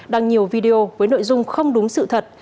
đăng nhiều video với nội dung không đúng sự thật